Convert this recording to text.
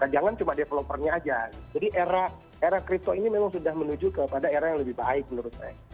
jangan cuma developernya aja jadi era crypto ini memang sudah menuju kepada era yang lebih baik menurut saya